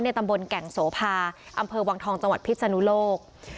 ตำบลแก่งโสภาอำเภอวังทองจังหวัดพิศนุโลก